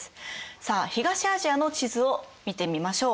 さあ東アジアの地図を見てみましょう。